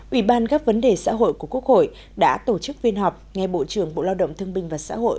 ủy ban các vấn đề xã hội của quốc hội đã tổ chức viên họp ngay bộ trưởng bộ lao động thương binh và xã hội